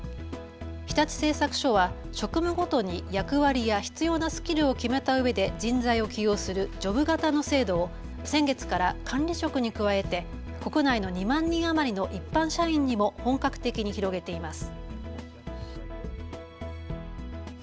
日立製作所は職務ごとに役割や必要なスキルを決めたうえで人材を起用するジョブ型の制度を先月から管理職に加えて国内の２万人余りの一般社員にも本格的に広げています。